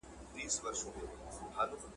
خپله وړتيا جوته کړې ده